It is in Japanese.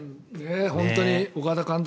本当に岡田監督